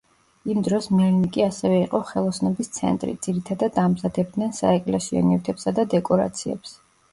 იმ დროს მელნიკი ასევე იყო ხელოსნობის ცენტრი, ძირითადად ამზადებდნენ საეკლესიო ნივთებსა და დეკორაციებს.